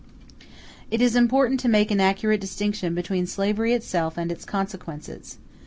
It is important to make an accurate distinction between slavery itself and its consequences.